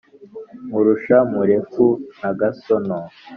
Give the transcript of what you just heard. Nkurusha Murefu na gasono